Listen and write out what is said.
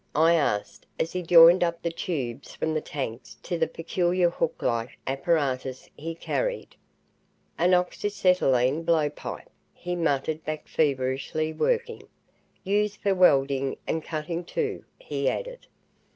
I asked as he joined up the tubes from the tanks to the peculiar hook like apparatus he carried. "An oxyacetylene blowpipe," he muttered back feverishly working. "Used for welding and cutting, too," he added.